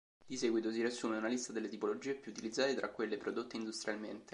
Di seguito si riassume una lista delle tipologie più utilizzate tra quelle prodotte industrialmente.